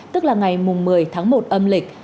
tức là ngày một mươi tháng một âm lịch